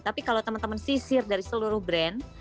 tapi kalau teman teman sisir dari seluruh brand